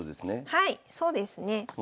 はいそうですね。